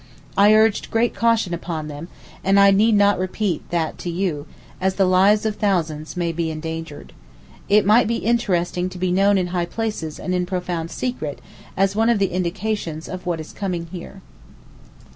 I urged great caution upon them, and I need not repeat that to you, as the lives of thousands may be endangered. It might be interesting to be known in high places and in profound secret, as one of the indications of what is coming here.